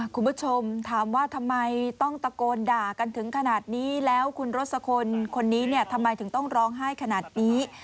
คุณผู้ชมถามว่าทำไมต้องตะโกนด่ากันถึงขนาดนี้แล้วคุณรสคลคนนี้เนี่ยทำไมถึงต้องร้องไห้ขนาดนี้